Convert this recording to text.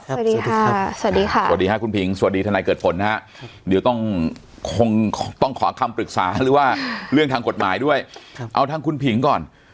สวัสดีค่ะสวัสดีค่ะสวัสดีค่ะคุณผิงสวัสดีทนายเกิดผลนะฮะเดี๋ยวต้องคงต้องขอคำปรึกษาหรือว่าเรื่องทางกฎหมายด้วยเอาทางคุณผิงก่อน